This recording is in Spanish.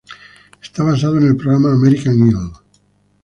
Está basado en el programa "American Idol.